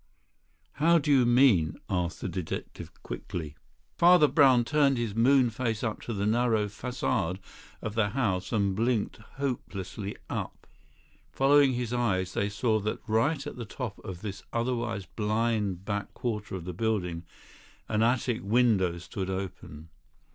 "How do you mean?" asked the detective quickly. Father Brown turned his moon face up to the narrow façade of the house and blinked hopelessly up. Following his eyes, they saw that right at the top of this otherwise blind back quarter of the building, an attic window stood open.